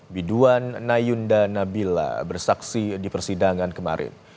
biduan nayunda nabila bersaksi di persidangan kemarin